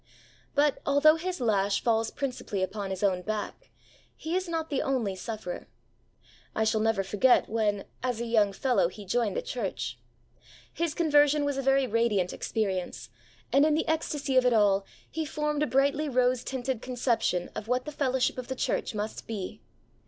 But, although his lash falls principally upon his own back, he is not the only sufferer. I shall never forget when, as a young fellow, he joined the church. His conversion was a very radiant experience, and, in the ecstasy of it all, he formed a brightly rose tinted conception of what the fellowship of the church must be.